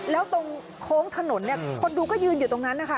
แล้วตรงโค้งถนนเนี่ยคนดูก็ยืนอยู่ตรงนั้นนะคะ